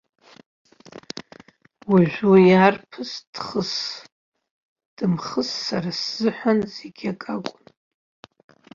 Уажәы уи арԥыс дхыс-дымхыс сара сзыҳәан зегьакакәын.